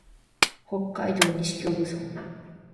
北海道西興部村